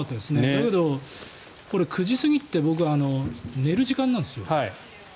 だけど、９時過ぎって僕寝る時間なんですよ。